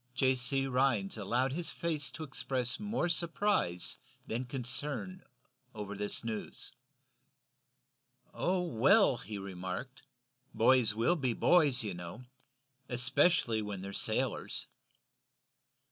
John C. Rhinds allowed his face to express more surprise than concern over this news. "Oh, well," he remarked, "boys will be boys, you know especially when they're sailors."